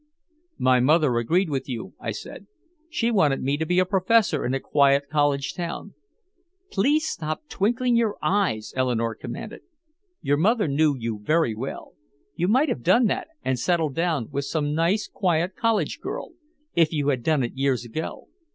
"My mother agreed with you," I said. "She wanted me to be a professor in a quiet college town." "Please stop twinkling your eyes," Eleanore commanded. "Your mother knew you very well. You might have done that and settled down with some nice quiet college girl if you had done it years ago.